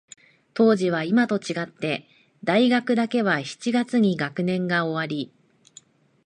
当時は、いまと違って、大学だけは七月に学年が終わり、